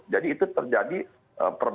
jadi itu terjadi perbedaan prasejah